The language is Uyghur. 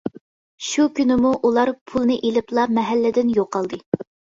شۇ كۈنىمۇ ئۇلار پۇلنى ئېلىپلا، مەھەللىدىن يوقالدى.